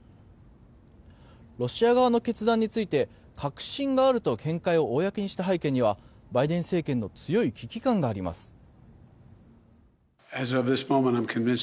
ロシア側の決断について確信があると見解を公にした背景にはバイデン政権の強い危機感があります。